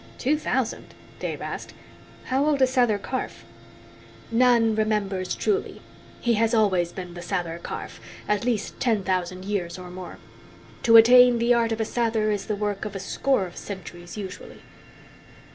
"Two thousand?" Dave asked. "How old is Sather Karf?" "None remembers truly. He has always been the Sather Karf at least ten thousand years or more. To attain the art of a Sather is the work of a score of centuries, usually."